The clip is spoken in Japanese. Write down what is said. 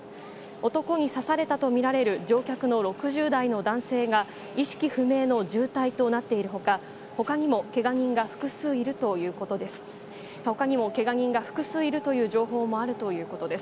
男に刺されたと見られる乗客の６０代の男性が、意識不明の重体となっているほか、ほかにもけが人が複数いるということです。